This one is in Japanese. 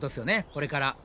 これから。